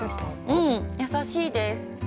◆うん、優しいです。